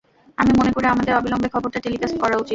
আমি মনে করি আমাদের অবিলম্বে খবরটা টেলিকাস্ট করা উচিত।